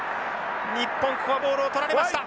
日本ここはボールを捕られました。